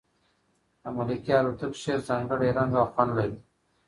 د ملکیار هوتک شعر ځانګړی رنګ او خوند لري.